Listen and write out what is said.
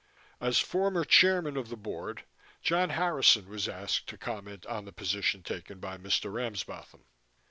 As former Chairman of the Board, John Harrison was asked to comment on the position taken by Mr. Ramsbotham.